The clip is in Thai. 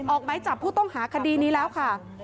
ออกไม้จับผู้ต้องหาคดีนี้แล้วค่ะ